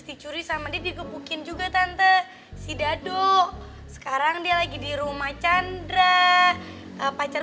dicuri sama dikepukin juga tante si dado sekarang dia lagi di rumah chandra pacar